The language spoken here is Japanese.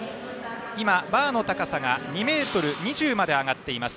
今、バーの高さが２ｍ２０まで上がっています。